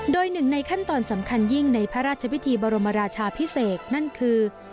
โดยหนึ่งในขั้นตอนสำคัญยิ่งในพระราชพิธีบรมราชาพิเศษนั่นคือ